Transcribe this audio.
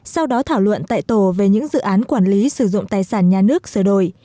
sau đó thảo luận tại tổ về những dự án quản lý sử dụng tài sản nhà nước sửa đổi